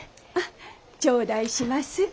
あっ頂戴します。